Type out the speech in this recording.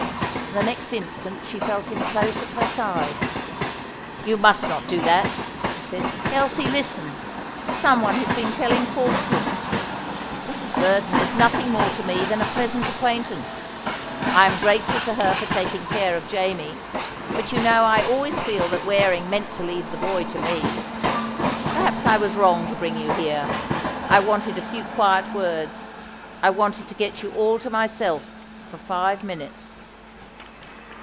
The next instant she felt him close at her side. "You must not do that," he said. "Elsie, listen! Some one has been telling falsehoods. Mrs. Verdon is nothing more to me than a pleasant acquaintance. I am grateful to her for taking care of Jamie; but you know I always feel that Waring meant to leave the boy to me. Perhaps I was wrong to bring you here; I wanted a few quiet words I wanted to get you all to myself for five minutes."